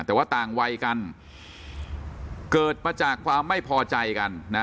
แต่ว่าต่างวัยกันเกิดมาจากความไม่พอใจกันนะ